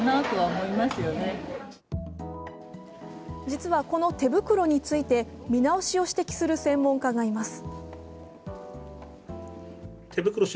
実はこの手袋について、見直しを指摘する専門家がいます。